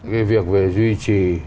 cái việc về duy trì